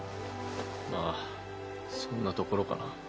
まあそんなところかな。